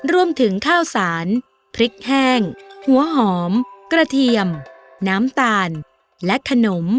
รวมถึงข้าวสารพริกแห้งหัวหอมกระเทียมน้ำตาลและขนม